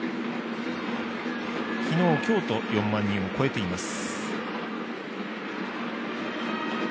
昨日、今日と４万人を超えています。